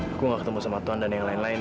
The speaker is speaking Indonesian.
aku gak ketemu sama tuan dan yang lain lain